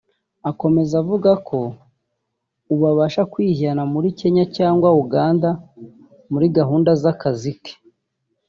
Akomeza avuga ko ubu abasha kwijyana muri Kenya cyangwa Uganda muri gahunda z’akazi ke